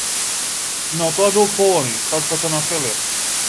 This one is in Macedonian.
Но, тоа бил Полониј, таткото на Офелија.